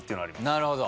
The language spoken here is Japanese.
なるほど。